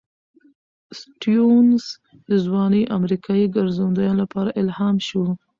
سټيونز د ځوانو امریکايي ګرځندویانو لپاره الهام شو.